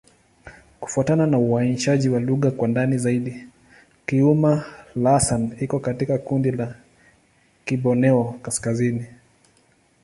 Kufuatana na uainishaji wa lugha kwa ndani zaidi, Kiuma'-Lasan iko katika kundi la Kiborneo-Kaskazini.